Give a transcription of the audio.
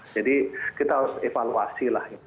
jadi kita harus evaluasi lah ya